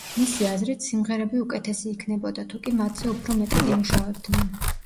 მისი აზრით, სიმღერები უკეთესი იქნებოდა, თუკი მათზე უფრო მეტად იმუშავებდნენ.